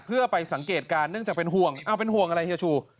เพื่อไปสังเกตการณ์เนื่องจากเป็นห่วงเอาเป็นห่วงอะไรเฮียชู